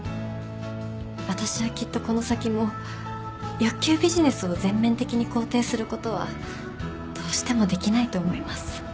私はきっとこの先も欲求ビジネスを全面的に肯定することはどうしてもできないと思います。